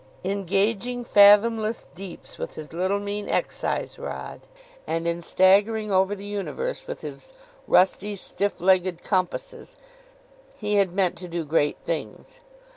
In gauging fathomless deeps with his little mean excise rod, and in staggering over the universe with his rusty stiff legged compasses, he had meant to do great things.